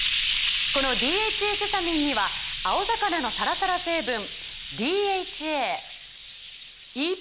この「ＤＨＡセサミン」には青魚のサラサラ成分ＤＨＡＥＰＡ